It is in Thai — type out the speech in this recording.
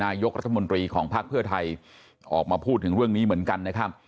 นายกรัฐมนตรีของพรรคเผื่อไทยออกมาพูดถึงเรื่องนี้เหมือนกัน